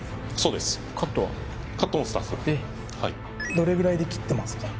どれぐらいで切ってますか？